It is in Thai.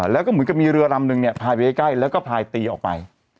แล้วก็เหมือนกับมีเรือลำนึงเนี่ยพายไปใกล้แล้วก็พายตีออกไป